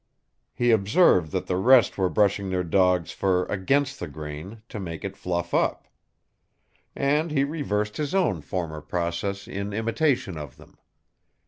He observed that the rest were brushing their dogs' fur against the grain, to make it fluff up. And he reversed his own former process in imitation of them.